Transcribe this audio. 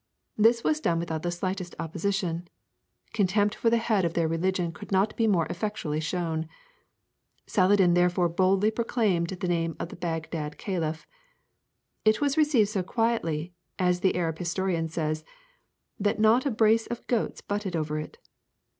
This was done without the slightest opposition; contempt for the head of their religion could not be more effectually shown; Saladin therefore boldly proclaimed the name of the Baghdad caliph. It was received so quietly, as the Arab historian says, "that not a brace of goats butted over it."